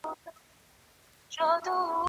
که کلتور وي نو هویت نه ورکیږي.